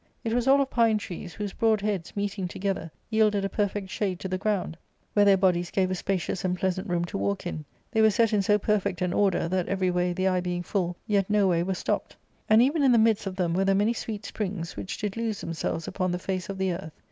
It was all of pine trees, whose broad heads, meeting together, yielded a perfect shade to the ground, where their bodies gave a spa cious and pleasant room to walk in; they were set in so l>erfect an order, that every way the eye being full yet no way was stopped. And even in the midst of them were there many sweet springs which did lose themselves upon the face of the earth.